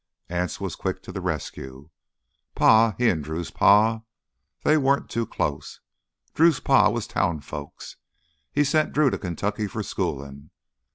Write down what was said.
Anse was quick to the rescue. "Pa—he an' Drew's Pa—they weren't too close. Drew's Pa was town folks. He sent Drew to Kaintuck for schoolin'.